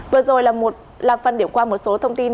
vừa rồi là phần điểm qua một số thông tin